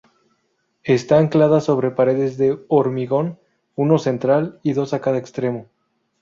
Está anclada sobre paredes de hormigón, uno central y dos a cada extremo.